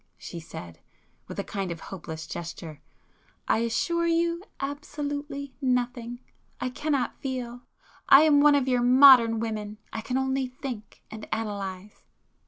she said, with a kind of hopeless gesture—"I assure you, absolutely nothing! I cannot feel. I am one of your modern women,—I can only think,—and analyse."